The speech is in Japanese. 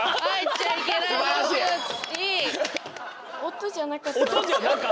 音じゃなかった！